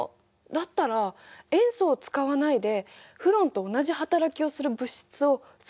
だったら塩素を使わないでフロンと同じ働きをする物質を作ればいいんじゃない？